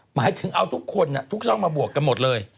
หมายถึงเอาทุกคนทุกช่องมาบวกกันหมดเลย